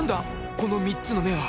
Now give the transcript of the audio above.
この３つの目は？